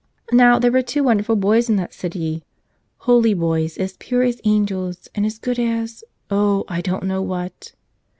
Now, there were two won¬ derful boys in that city, holy boys, as pure as angels and as good as — oh I don't know what.